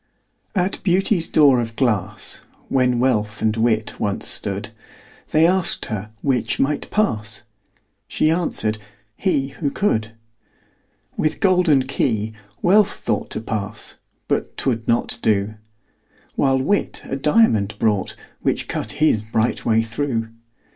At Beauty's door of glass, When Wealth and Wit once stood, They asked her 'which might pass?" She answered, "he, who could." With golden key Wealth thought To pass but 'twould not do: While Wit a diamond brought, Which cut his bright way through.